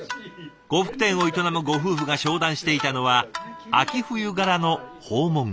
呉服店を営むご夫婦が商談していたのは秋冬柄の訪問着。